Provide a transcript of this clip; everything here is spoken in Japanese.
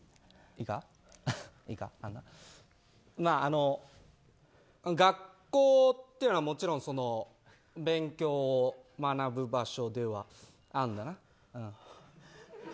いいか、あのな学校っていうのは、もちろん勉強を学ぶ場所ではあるんだな。